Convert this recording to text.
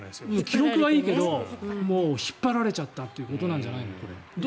記録はいいけど引っ張られたってことなんじゃないの？